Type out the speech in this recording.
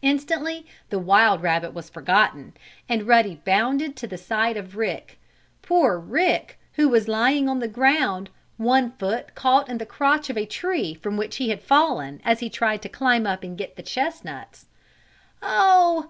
Instantly the wild rabbit was forgotten, and Ruddy bounded to the side of Rick poor Rick who was lying on the ground, one foot caught in the crotch of a tree from which he had fallen as he tried to climb up and get the chestnuts. "Oh!